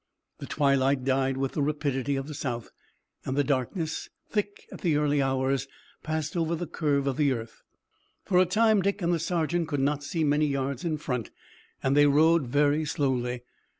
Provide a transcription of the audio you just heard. The twilight died with the rapidity of the South, and the darkness, thick at the early hours, passed over the curve of the earth. For a time Dick and the sergeant could not see many yards in front and they rode very slowly.